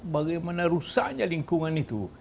bagaimana rusaknya lingkungan itu